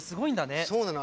そうなの。